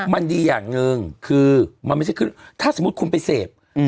มันดีอย่างหนึ่งคือมันไม่ใช่ขึ้นถ้าสมมุติคุณไปเสพ